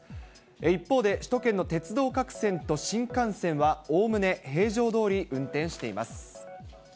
一方で首都圏の鉄道各線と新幹線は、おおむね平常どおり運転しています。